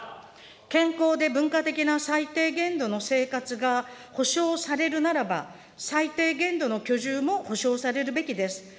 健康で文化的な最低限度の生活が保障されるならば、最低限度の居住も保障されるべきです。